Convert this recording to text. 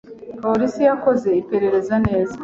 Polisi yakoze iperereza neza